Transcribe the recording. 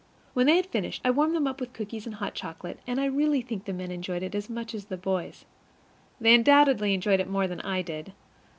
When they had finished, I warmed them up with cookies and hot chocolate, and I really think the men enjoyed it as much as the boys; they undoubtedly enjoyed it more than I did.